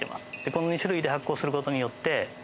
この２種類で発酵することによって。